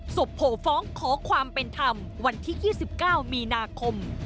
โผล่ฟ้องขอความเป็นธรรมวันที่๒๙มีนาคม